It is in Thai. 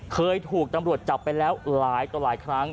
เคยถูกตำรวจจับไปแล้วหลายต่อหลายครั้ง